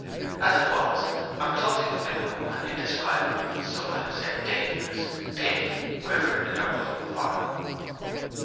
As it was, on closing the window an indescribable, some might have said dangerous, pity quavered in her bosom for him.